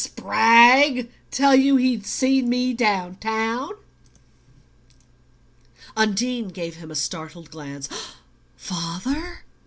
Spragg tell you he'd seen me down town?" Undine gave him a startled glance. "Father?